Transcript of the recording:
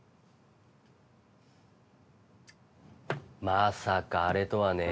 まさかあれとはね。